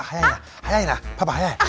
早いなパパ早い。